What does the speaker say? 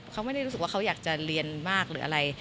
เขาไม่ได้รู้สึกว่าเขาอยากจะเรียนมากหรืออะไร